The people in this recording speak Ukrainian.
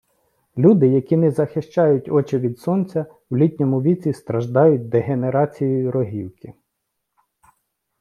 Люди, які не захищають очі від сонця, в літньому віці страждають дегенерацією рогівки